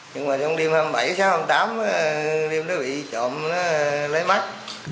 nhưng mà trong đêm hai mươi bảy hai mươi tám đêm đó bị trộm lấy máy